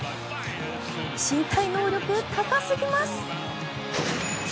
身体能力、高すぎます。